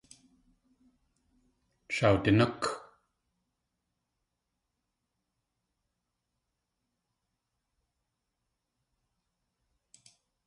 Shawdinúk.